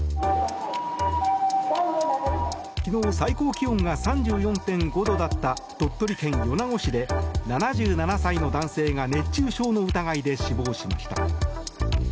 昨日最高気温が３４．５度だった鳥取県米子市で７７歳の男性が熱中症の疑いで死亡しました。